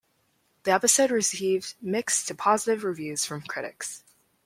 The episode received mixed to positive reviews from critics.